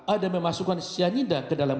ada memasukkan cyanida ke dalam